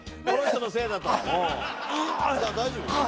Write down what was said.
大丈夫？